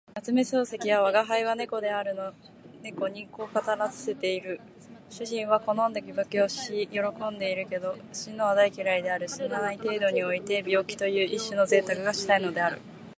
夏目漱石は吾輩は猫であるの猫にこう語らせている。主人は好んで病気をし喜んでいるけど、死ぬのは大嫌いである。死なない程度において病気という一種の贅沢がしたいのである。